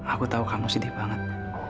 aku tahu kamu sedih banget